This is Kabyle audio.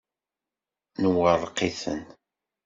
Nwerreq-iten.